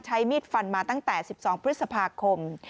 ใช้มีดฟันมาตั้งแต่๑๒พฤษภาคม